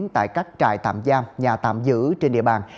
tại các trại tạm giam nhà tạm giữ trên địa bàn